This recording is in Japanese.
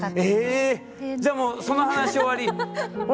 じゃもうその話終わり。